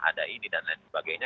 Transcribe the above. ada ini dan lain sebagainya